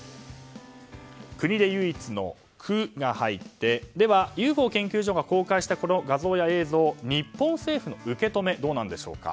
国で唯一の「ク」が入ってでは、ＵＦＯ研究所が公開したこの画像や映像日本政府の受け止め堂なんでしょうか。